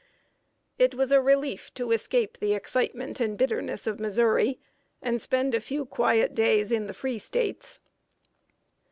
It was a relief to escape the excitement and bitterness of Missouri, and spend a few quiet days in the free States.